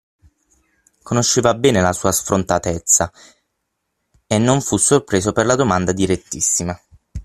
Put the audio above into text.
conosceva bene la sua sfrontatezza, e non fu sorpreso per la domanda direttissima.